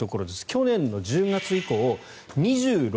去年１０月以降２６